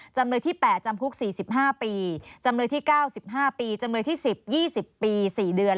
จำเลยที่๘จำคุก๔๕ปีจำเลยที่๙๕ปีจำเลยที่๑๐๒๐ปี๔เดือน